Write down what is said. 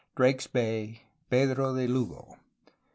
Drake's Bay. Pedro de Lugo.